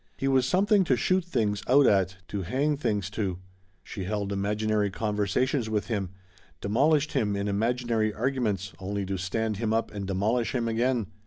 He was something to shoot things out at, to hang things to. She held imaginary conversations with him, demolished him in imaginary arguments only to stand him up and demolish him again.